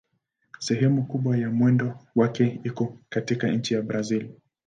Sehemu kubwa ya mwendo wake iko katika nchi ya Brazil.